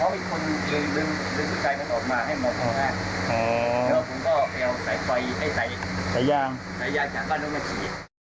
แล้วผมก็ไปเอาใส่ไฟให้ใส่ย่างจากบ้านร่วมนาฬิกี